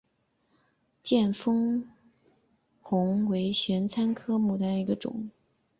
见风红为玄参科母草属下的一个种。